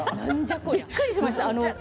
びっくりしました。